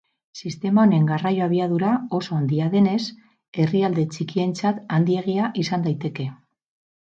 Sistema honen garraio abiadura oso handia denez, herrialde txikientzat handiegia izan daiteke.